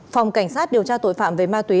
phòng cảnh sát điều tra tội phạm về ma túy